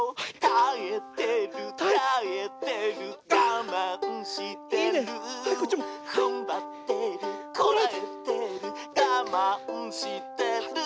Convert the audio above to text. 「たえてるたえてるがまんしてる」「ふんばってるこらえてるがまんしてる」